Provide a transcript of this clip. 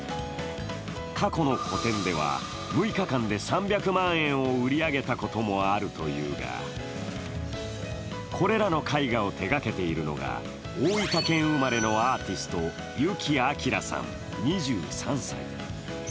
過去の個展では６日間で３００万円を売り上げたこともあるというが、これらの絵画を手がけているのが大分県生まれのアーティスト、湯木慧さん２３歳。